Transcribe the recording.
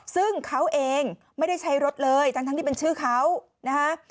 ซึ่งเขาเองไม่ได้ใช้รถเลยทั้งที่เป็นชื่อเขานะฮะ